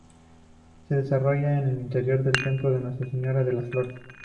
Se desarrolla en el interior del templo de Nuestra Señora de las Flores.